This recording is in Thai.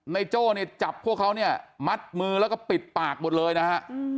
โจ้เนี่ยจับพวกเขาเนี่ยมัดมือแล้วก็ปิดปากหมดเลยนะฮะ